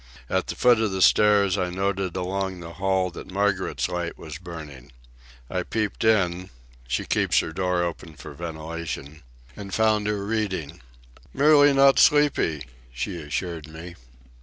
At the foot of the stairs I noted along the hall that Margaret's light was burning. I peeped in—she keeps her door open for ventilation—and found her reading. "Merely not sleepy," she assured me.